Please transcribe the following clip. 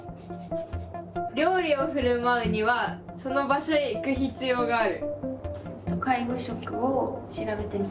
料理をふるまうにはその場所へ行く必要がある。